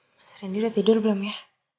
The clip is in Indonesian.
mas reni udah tidur belum ya